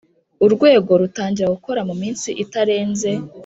Urwego rutangira gukora mu minsi itarenze